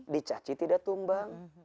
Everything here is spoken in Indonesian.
dicaci tidak tumbang